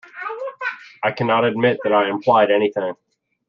I cannot admit that I implied anything.